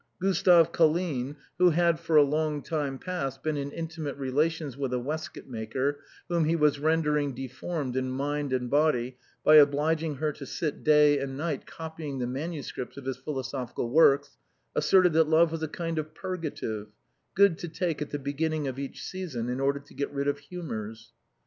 Gustave Colline, who had for a long time past been in in timate relations with a waistcoat maker, whom he was rendering deformed in mind and body by obliging her to sit day and night copying the manuscripts of his philo sophical works, asserted that love was a kind of purgative, good to take at the beginning of each season in order to get rid of humors.